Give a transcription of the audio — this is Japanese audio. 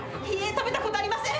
食べたことありません！